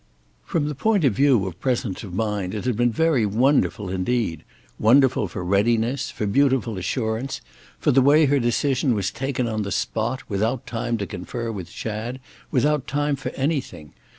From the point of view of presence of mind it had been very wonderful indeed, wonderful for readiness, for beautiful assurance, for the way her decision was taken on the spot, without time to confer with Chad, without time for anything.